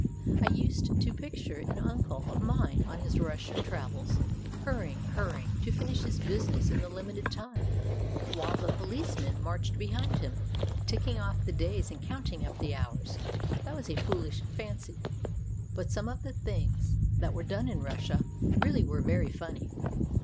I used to picture an uncle of mine on his Russian travels, hurry ing, hurrying, to finish his business in the limited time; while the poHceman marched behind him, ticking off the days and counting up the hours. That was a foolish fancy, but some of the things that were done in Russia really were very funny.